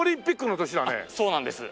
そうなんです